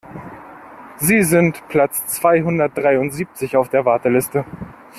Sie sind Platz zweihundertdreiundsiebzig auf der Warteliste.